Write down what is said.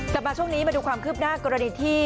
แต่มาช่วงนี้มาดูความคืบหน้ากรณีที่